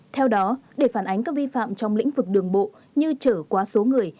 theo đó để phản ánh các vi phạm trong lĩnh vực đường bộ như trở quá số người